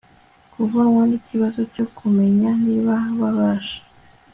kuvunwa nikibazo cyo kumenya niba babasha